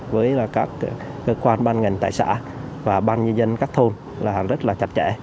với các cơ quan ban ngành tại xã và ban nhân dân các thôn là rất là chặt chẽ